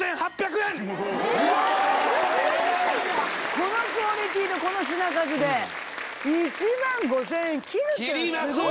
このクオリティーでこの品数で１万５０００円切るってのはスゴい！